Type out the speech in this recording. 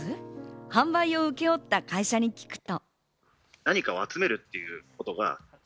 販売を請け負った会社に聞くと。